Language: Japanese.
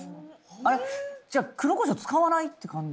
あれっじゃあ黒コショウ使わないって感じ？